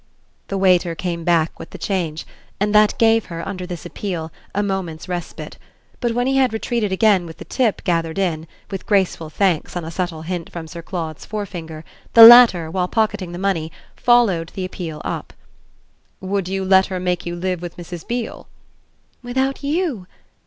The waiter came back with the change, and that gave her, under this appeal, a moment's respite. But when he had retreated again with the "tip" gathered in with graceful thanks on a subtle hint from Sir Claude's forefinger, the latter, while pocketing the money, followed the appeal up. "Would you let her make you live with Mrs. Beale?" "Without you?